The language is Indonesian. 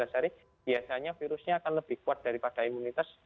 tiga belas hari biasanya virusnya akan lebih kuat daripada imunitas